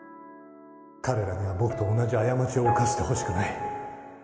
彼らには僕と同じ過ちを犯してほしくない。